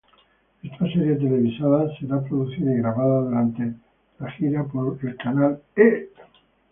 Esta serie televisada será producida y grabada durante la gira por el canal E!.